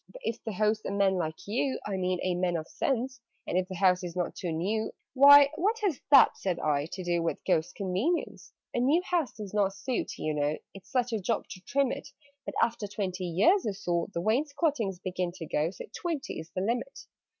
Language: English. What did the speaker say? "But if the host's a man like you I mean a man of sense; And if the house is not too new " "Why, what has that," said I, "to do With Ghost's convenience?" "A new house does not suit, you know It's such a job to trim it: But, after twenty years or so, The wainscotings begin to go, So twenty is the limit."